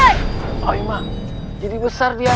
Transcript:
ricama jadi besar biar